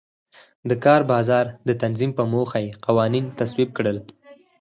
د کار بازار د تنظیم په موخه یې قوانین تصویب کړل.